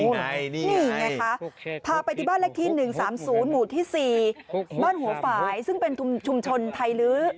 นี่ไงคะพาไปที่บ้านเลขที่๑๓๐หมู่ที่๔บ้านหัวฝ่ายซึ่งเป็นชุมชนไทยลื้อ